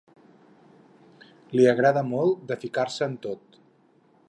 Li agrada molt de ficar-se en tot.